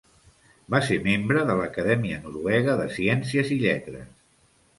Va ser membre de l'Acadèmia Noruega de Ciències i Lletres.